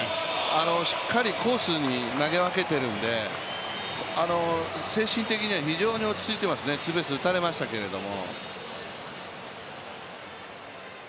しっかりコースに投げ分けているんで精神的には非常に落ち着いてますね、ツーベース打たれましたけれども。